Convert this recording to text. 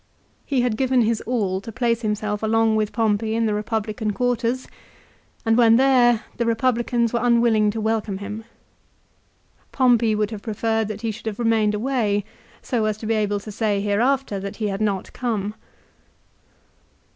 He had given his all to place himself along with Pompey in the republican quarters, and when there the republicans were unwilling to welcome him. Pompey would have preferred that he should have remained away, so as to be able to say hereafter that he had not come.